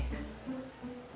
belom ada yang daftar disini